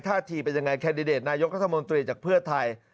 ท่าที่เป็นอย่างไรแคนดิเดตนายกธมนตรีจากเพื่อไทย